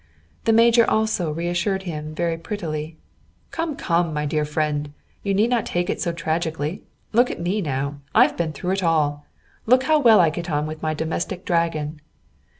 The major also reassured him very prettily: "Come, come, my dear friend, you need not take it so tragically. Look at me now! I've been through it all! Look how well I get on with my domestic dragon!"